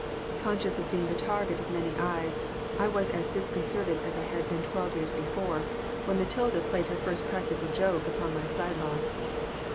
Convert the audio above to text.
Conscious of being the target of many eyes, I was as disconcerted as I had been twelve years before, when Matilda played her first practical joke upon my sidelocks.